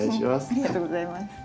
ありがとうございます。